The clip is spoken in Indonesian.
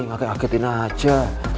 gak kagetin aja